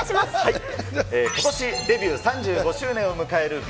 ことしデビュー３５周年を迎えるＢ